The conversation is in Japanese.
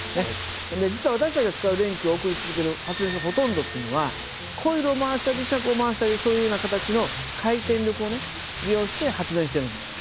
で実は私たちが使う電気を送り続ける発電所のほとんどというのはコイルを回したり磁石を回したりそういうような形の回転力をね利用して発電しているんです。